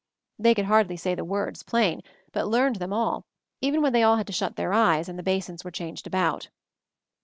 They could hardly say the words plain, but learned them all, even when they all had to shut their eyes and the basins were changed about.